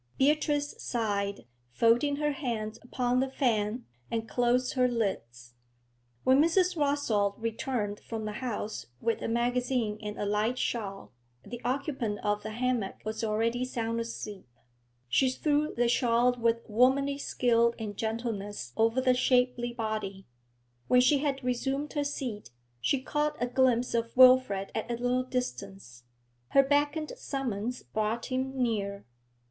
Beatrice sighed, folded her hands upon the fan, and closed her lids. When Mrs. Rossall returned from the house with a magazine and a light shawl, the occupant of the hammock was already sound asleep. She threw the shawl with womanly skill and gentleness over the shapely body. When she had resumed her seat, she caught a glimpse of Wilfrid at a little distance; her beckoned summons brought him near.